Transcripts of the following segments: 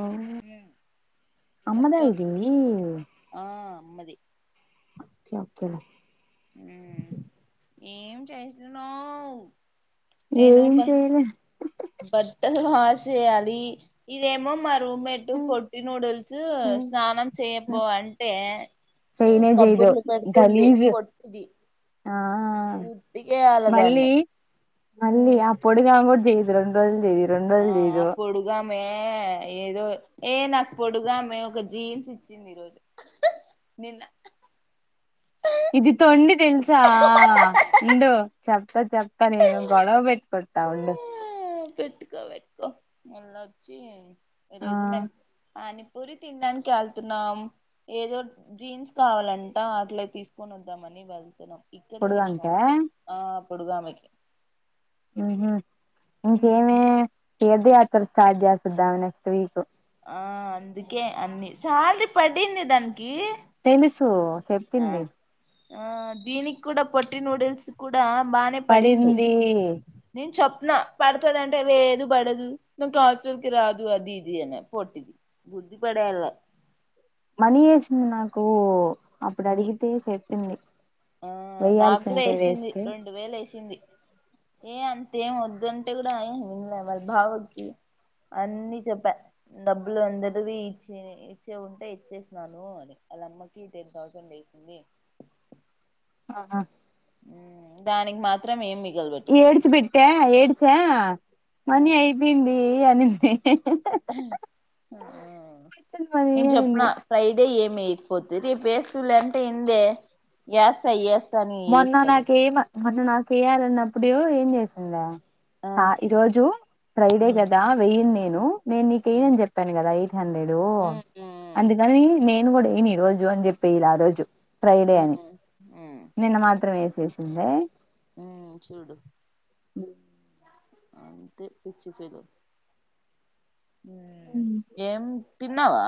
ఓ ఉమ్ అమ్మదా చెప్పు ఇదీ ఆ అమ్మది ఓకె ఓకె లె ఉం ఏం చేస్తున్నావ్ నేను ఏం బ చేయల బట్టలు వాష్ చేయాలి ఇదేమో మ రూమ్మెట్ పొట్టి నూడుల్సు స్నానం చేయపో అంటే చేయనే చేయదు కబ్బుర్లు పెడుతుంది గలీజ్ పొట్టిది ఆ ఉతికేయాల దాన్ని మళ్ళీ మళ్ళీ ఉమ్ ఆ పొడుగామేగుడ్ ఇది రొండ్ రోజులు చేయరు ఆ అ పొడుగా మే ఏదో ఏ నాకు పొడుగామే ఒక జీన్స్ ఇచ్చింది ఈరోజు నిన్న ఇది తొండి తెల్సా ఉండు చెప్త చెప్త నేను గొడవబెట్టుకుంట ఉండు ఆ పెట్కో పెట్కొ వాలొచి ఈ ఆ రోజు మేమ్ పాని పూరి తినడానికి వెళ్తున్నాం ఏదో జీన్స్ కావాలంట అట్లే తీసుకొని వద్దామని వెళ్తున్నాం ఇక్కడే పొడుగంటే షాప్ ఆ పొడుగామెకే ఊహు ఇంకేమి తీర్ధ యాత్ర స్టార్ట్ చేసుద్ ఆమె నెక్స్ట్ వీక్ ఆ అందుకే అన్ని సాలరీ పడింది దాన్ తెలుసు చెప్పింది ఆ దీనికి కూడా పొట్టి నూడిల్స్ కూడా బానే పడింది నేన్ చెప్ నా పడుతుంది అంటే లేదు పడదు నువ్ కాల్చర్కి రాదు అది ఇది అనే పట్దిది గుద్ధిపడెయ్యలా మనీ ఏసింది నాకు అప్పుడు నీ అడిగితే సె ఆ నాకు కూడా ఏసింది వేస్తే రెండు వేలు ఎసింది ఏ అంతేం వద్దు అంటే కూడా వినలే వాళ్ళ బావకి అన్నీ చెప్పా డబ్బులు అందరువి ఇచ్చి ఇచ్చే ఉంటే ఇచ్చేసినాను అని వాళ్ళ అమ్మకి టెన్ థౌసండ్ వేసింది ఆహా దానికి మాత్రం ఏమి ఏడ్చి బెట్టా ఏడిచా మనీ ఉమ్, అయిపోయింది ఏ అని మే వచ్చింది మనీ నేను చెప్పినా అనింది ఫ్రైడే ఏమి ఎయ్ పోతురి పేస్ చూడలే అంటే ఏందే యాస్ ఐ యస్ మొన్న నాకు ఈమ మొన్న నాకు ఎయ్యాలన్నప్పుడు ఏం చేసిందా ఆ ఈ రోజు ఫ్రైడే ఉమ్ కదా వెయ్యిన్ నేను నూ నేను ఉమ్ నీకెయ్నని చెప్పాను కదా ఉమ్ [inaudible] ఉమ్ అందుకని న నేను కూడా ఏని ఈ రోజు అని చెప్పేలా ఆ రోజు ఫ్రైడే అని ఉమ్ నిన్న మాత్రం వేసేసిందే ఉ చూడు అంత పచ్చి ఫదు ఏం తిన్నవా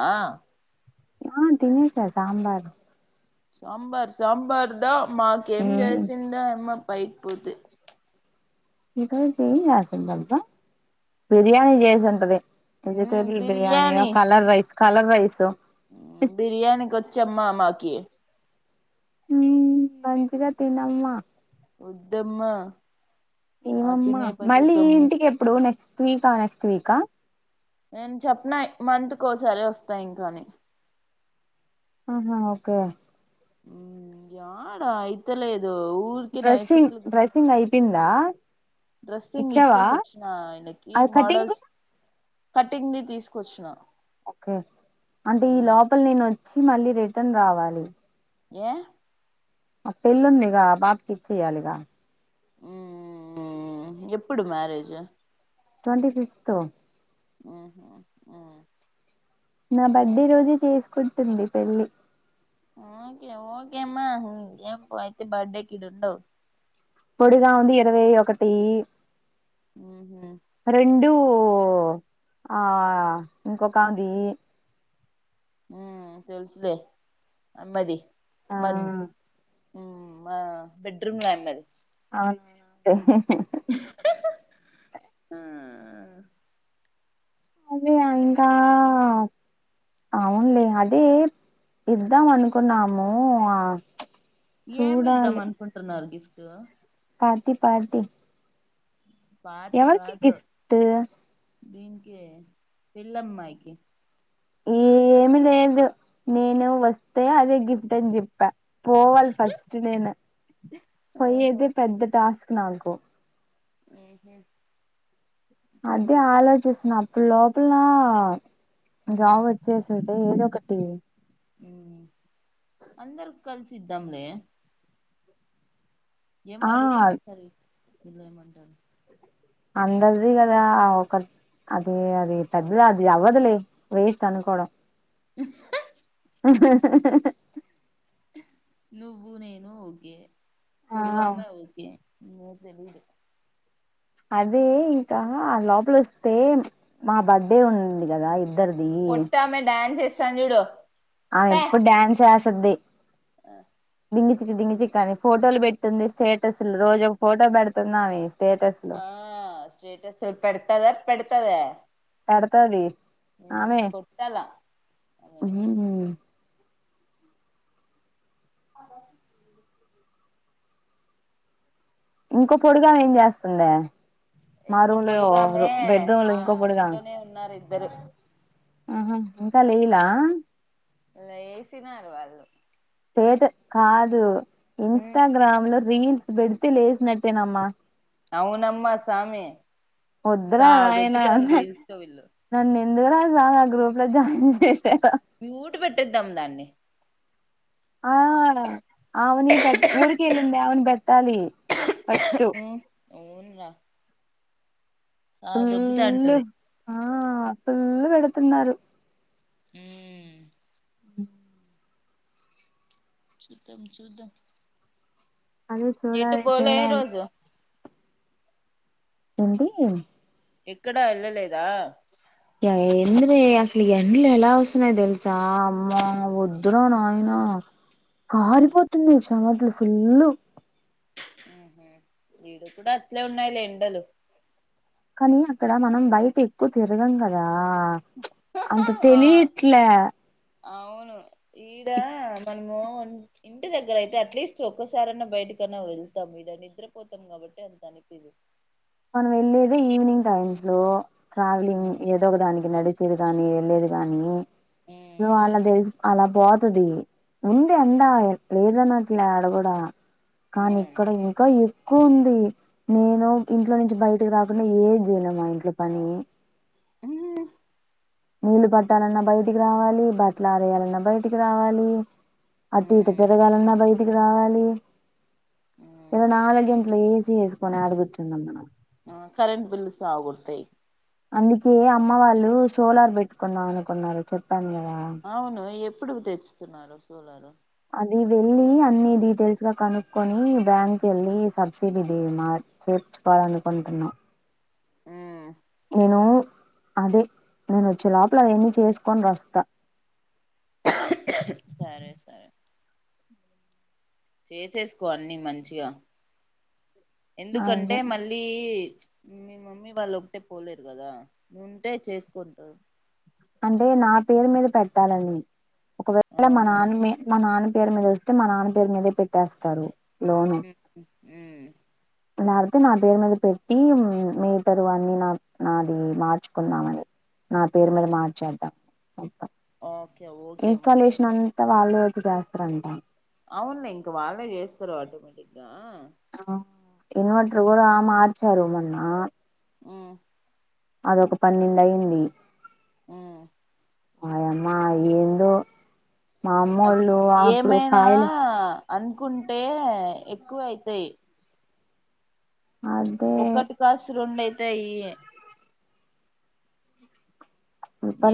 ఆ తినసాంబార్ సాబార్ సాబార్దా మాకేం ఉమ్ చేసిందా అ పైపుదు ఇంకా చెయి రాసంంత బిర్యానీ చేసి ఉంటది మజతే బిర్యానీ కలర్ రైస్ కలర్ వైసు బిర్యానీకి వచ్చమ్మా మాకి హ మంచిగా తినమ్మా దమ్మా ఏవమ్మా మళ్ళీ ఇంటికి ఎప్పుడు నెక్స్ట్ వీకా నెక్స్ట్ ఇంకా నేను చెప్పిన మంత్కోసారి వస్తా ఇంకాని ఆహా ఓకే హ్మ్ ఎడా అయిత లేదు ఊక్ ఊరికేనా డ్రెస్సింగ్ [unintelligible] డ్రెస్సింగ్ అయిపోయిందా డ్రెస్ంగ్ ఇచ్చావా ఇచేస్ వచ్చిన ఆయనికి అది కటింగ్ మాడల్స్ కటింగ్ది తీసుకొచ్చిన క్క అంటే ఈ లోపల్ నేన్ వ మళ్ళీ రిటర్న్ రావాలి ఏ ఆ పెళ్ళుందిగా ఆ బాబ్కి ఇచెయ్యాలిగా మ్ మ్ మ్ మ్మ్ ఎప్పుడు మ్యారేజ్ ట్వంటీ ఫిఫ్త్ హు హ్మ్ మ్మ్ నా బర్డే రోజే చేసుకు కుండు పెళ్లి ఓకే ఓకే అమ్మ ఏ పో అయితే బర్డేకి ఈడుండవ్ పొడుగా వంది ఇరవై ఒకటి [inaudible] ఇడు ఆ ఇంకొకామెది. హ్మ్ తెలుసులే అమ్మది. ఆ మద్ హ్మ్ మ్మ్ బెడ్రూమ్ మా అమ్మది. అవునంట ఆ ఆ అదే ఇంకా అవునులే అదే ఇద్దాం అనుకున్నాము ఆ ప్చ్ ఏమిద్దాం అనుకుంటున్నారు గిఫ్ ద పార్టీ పార్టీ ఎవరికి గిఫ్టు దీనికే పెళ్ళమ్మాయికి హ్మ్ ఏమి లేదు నేను వస్తే అదే గిఫ్ట్ అని చెప్పా పోవాలి ఫస్ట్ నేను ఆహా పొయ్యేదే పెద్ద టాస్క్ నాకు ఊహూ అదే ఆలోచిస్తున్న ఇప్పుడు లోపలా జాబు మ్మ్ వచ్చేసేది ఏదోకటి అ అందరు కలిసిద్దాంలే ఏమో ఆ అడుగుదాం విలయమంటలు అందరిది కదా ఒక అది అది పెద్దది అది అవ్వదులే వేస్ట్ అనుకోవడం. నువ్వు నేను ఒకే ఆ పొడువామె ఓకే ఏం తెలిదు అదే ఇంకా ఆ లోపల వస్తే మా బర్త్డే ఉంది కదా ఇది పొట్ట ఆమె డ్యాన్స్ చేస్ వచ్చాను జూడు అ ఎప్పుడు డ్యాన్స్ ఏస్ సద్ది ఆ డింగిచిక్, డింగిచిక్ అని ఫోటోలు పెడుతుంది స్టేటస్లు రోజు ఒక ఫోటో పెడుతుంది ఆమే ఆ స్టేటస్సులు పెడతదా, పెడతదా పెడతది ఆమె కొట్టాల హ్మ్ హలో ఇంకో పొడుగామే ఏం చేస్తుంది. ఇంకో పొడుగామె ఆ ఇంకో అ రూం పొడుగామె లోనే ఉన్నారు ఇ ద్దరు ఆహా ఇంకా లేయ్లా లేసినారు వాళ్ళు స్టేటస్ కాదు ఇన్స్టగ్రామ్ లో రీల్స్ పెడితే లేసినట్టేనమ్మా అవునమ్మా సామి వద్రా సావ నాయనా దొబ్బుతారు రీల్స్ తో వీళ్ళు నన్ను ఎందుకు రా [unintelligible] ఆ గ్రూప్ లో జాయిన్ చేసి మ్యూట్ పెట్టేద్దాం దాన్ని ఆమేనా ఆమెని పెట్ ఊరికెల్లి ఉండే ఆమెని పెట్ ట్టాలి హ్ అవునురా సావ దొబ్బుతా ఫుల్లు అంటది ఆ ఫుల్ పెడుతున్నారు. హ్మ్ హ్ చూద్ధం, చూద్ధం అదే ఏటు చూడాలి పోలే ఈ చూడాలి రోజు ఏంటి ఎక్కడా ఎళ్ళలేదా ఆ ఎందిరా అసలు ఎండ్లు ఎలా వస్తున్నాయి తెలుసా అమ్మా వద్దురా నాయనా కారి పోతుంది. చమట్లు ఫుల్లు హుహ్ ఇడకూడ అట్లే ఉన్నాయిలే ఎండలు. కానీ అక్కడ మనం బయట ఎక్కువ తిరగం కదా ఆ ఛ్ అంత ఆ తెలియట్లే అవును ఈడ మనము ఇంటి దగ్గర అయితే అట్లీస్ట్ ఒక్కసారి అన్నా బయటకన్నా వెళ్తాము ఈడ నిద్రపోతాం కాబట్టి అంత అనిపీదు. మనం వెళ్ళేదే ఈవినింగ్ టైమ్స్ లో ట్రావెలింగ్ ఏదో ఒకదానికి నడిచేది కానీ ఎళ్లేదు గా నేను సో అలా తెల్సుకోవాల బార్ ది ఉంది ఎండ లేదన్నట్ల ఆడ గూడ కానీ ఇక్కడ ఇంక ఎ క్కువుంది నేను ఇంట్లో నుంచి బయటకి రాకుండా ఏం చేయలేం మా ఇంట్లో పని హుమ్ నీళ్లు పట్టాలన్న బయటికి రావాలి బట్లు ఆరేయాలన్న బయటికి రావాలి అటు ఇటు తిరగాలన్న బయ్ రావాలి ఇలా నాలుగు గంటలు ఏసి ఏసుకొని అడుగుర్చుందాం మనం కరెంట్ బిల్స్ ఆగుతయ్ అందుకే అమ్మ వాళ్ళు సోలార్ పెట్టుకుందాం అనుకున్నారు చచె అవును ఎప్పుడు తెచ్చుతున్నారు సోలారు వెళ్ళీ అన్ని డీటెయిల్స్ గా కనుక్కొని బ్యాంక్ ఎళ్ళి సబ్సిడీ తీ మ చేర్చుకోవాలనుకుంటున్నాం హుమ్ నేను అదే నేను వచ్చే లోపల అవన్ని చేసుకొని రస్తా సరే సరే చేసేసుకో అన్ని మంచిగా ఎందుకంటే అదే మళ్ళీ మీ మమ్మీ వాళ్ళు ఒకటే పోలేరు కదా నువుంటే చేసుకుంటారు అంటే నా పేరు మీద పెట్టాలని ఒకవేళ మా అవునా నాన్నమే మా నాన్ పేరు మీద వస్తే మా నాన్న పేరు మీదే పెట్ ట్టేస్తరు లోను ఉమ్ ఉమ్, లేకపోతే నా పేరు మీద పెట్టి హుమ్ మీటరు అన్నీ న నాది మార్చుకుందామని నా పేరు మీద ఓకే మార్చేద్దాం మొత్తం ఓకే ఓకేమ్మా వాళ్లే వచ్చి చేస్తారంట అవున్లే ఇంక వాళ్ళే చేస్తరు ఆటోమేటిక్ గా ఇన్వెటర్ గుడా మార్చారు మెన్నా హుమ్ అదొక పన్నెండయింది హుమ్ అయమ్మా ఏందో మా అద్ అమ్మోళ్ళు అప్పుడు ఏమైనా కాయలు అనుకుంటే ఎక్కువ అయితాయ్ అదే ఒక్కటి కాసి రొండ్ అయ్ అయి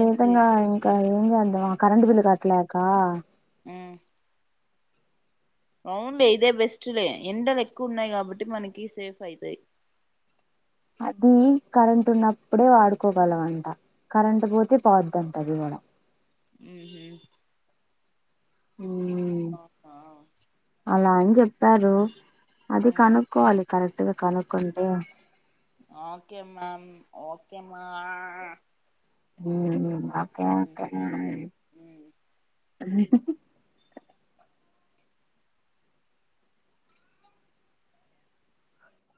ఏం చేసి ఇంకా ఏం అందవా కరంట్ బిల్లు కట్లేకా ఆ అవునులే ఇదే బెస్ట్లే ఎండలు ఎక్కువ ఉన్నాయి కాబట్టి మనకి సేఫ్ అయితాయి అది కరెంము ఉన్నప్పుడే వాడుకోగలంంట కరెంము పోతే పోదింట అది కూడా అ అలా అని చెప్పారు అది కనుక్కోవాలి కరెక్ట్ ఇద కాలకుంట ఓకే మమ్ ఓకే మా హ క అ